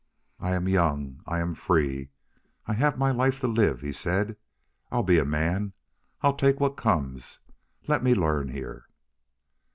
"I am young. I am free. I have my life to live," he said. "I'll be a man. I'll take what comes. Let me learn here!"